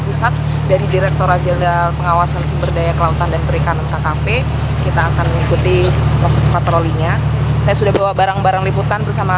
kita akan mengikuti proses patrolinya saya sudah bawa barang barang liputan bersama